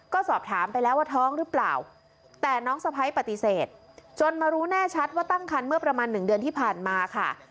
ก็สอบถามไปแล้วว่าท้องหรือเปล่าแต่น้องสะพ้ายปฏิเสธจนมารู้แน่ชัดว่าตั้งคันเมื่อประมาณหนึ่งเดือนที่ผ่านมาค่ะ